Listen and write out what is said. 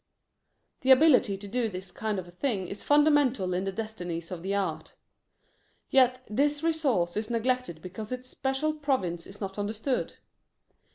The ability to do this kind of a thing is fundamental in the destinies of the art. Yet this resource is neglected because its special province is not understood.